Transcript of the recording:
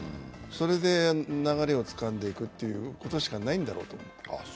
それで流れをつかんでいくことしかないんだろうと。